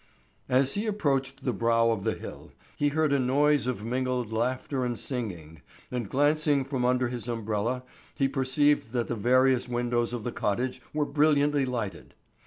As he approached the brow of the hill he heard a noise of mingled laughter and singing, and glancing from under his umbrella he perceived that the various windows of the cottage were brilliantly lighted.